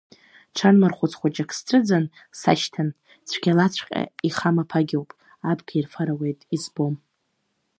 Ҽан мырхәац хәыҷык сцәыӡын, сашьҭан, цәгьалаҵәҟьа ихамаԥагьоуп, абга ирфар ауеит, избом.